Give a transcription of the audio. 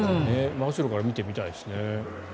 真後ろから見てみたいですね。